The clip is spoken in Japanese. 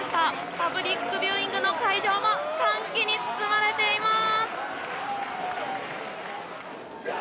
パブリックビューイングの会場も、歓喜に包まれています。